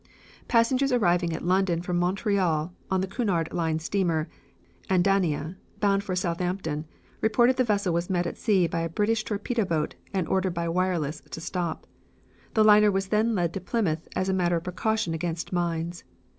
Passengers arriving at London from Montreal on the Cunard Line steamer Andania, bound for Southampton, reported the vessel was met at sea by a British torpedo boat and ordered by wireless to stop. The liner then was led into Plymouth as a matter of precaution against mines.